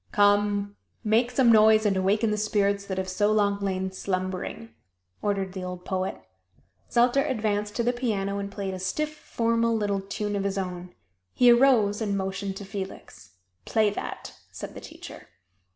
"Come, make some noise and awaken the spirits that have so long lain slumbering!" ordered the old poet. Zelter advanced to the piano and played a stiff, formal little tune of his own. He arose and motioned to Felix. "Play that!" said the teacher.